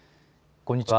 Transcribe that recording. こんにちは。